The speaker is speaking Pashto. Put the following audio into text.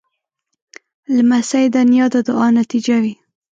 لمسی د نیا د دعا نتیجه وي.